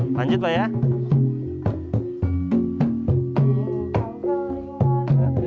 aman ketika memainkan alat musik ini